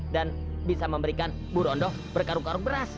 dan bisa memberikan burondok berkarung karung beras